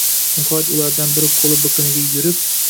Nihoyat ulardan biri qo‘li biqiniga yugurib.